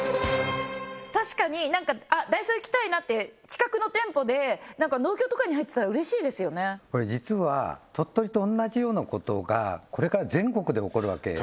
確かにダイソー行きたいなって近くの店舗で農協とかに入ってたらうれしいですよねこれ実は鳥取と同じようなことがこれから全国で起こるわけです